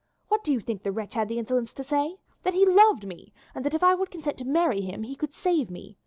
What do you think the wretch had the insolence to say? That he loved me, and that if I would consent to marry him he could save me.